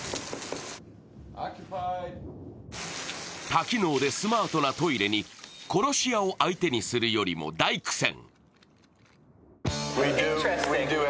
多機能でスマートなトイレに殺し屋を相手にするよりも大苦戦。